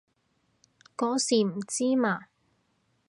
嗰時唔知嘛